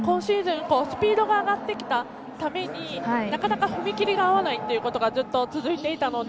今シーズン、スピードが上がってきたために、なかなか踏み切りが合わないということが続いていたので。